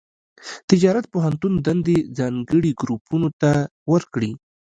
تجارت پوهنتون دندې ځانګړي ګروپونو ته ورکړي.